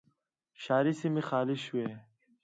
ښاري سیمې خالي شوې.